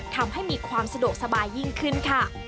ทำให้มีความสะดวกสบายยิ่งขึ้นค่ะ